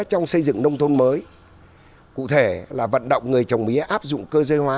trong xây dựng nông thôn mới cụ thể là vận động người trồng mía áp dụng cơ giới hóa